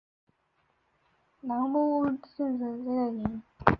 杨屋道市政大厦主持开幕典礼。